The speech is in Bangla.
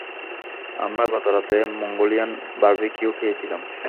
আমরা গত রাতে মঙ্গোলিয়ান বারবিকিউ খেয়েছিলাম।